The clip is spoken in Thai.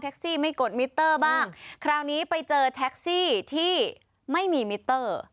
ไม่กดมิเตอร์บ้างคราวนี้ไปเจอแท็กซี่ที่ไม่มีมิเตอร์